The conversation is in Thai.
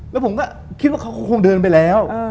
แล้วผมก็คิดว่าเขาก็คงเดินไปแล้ว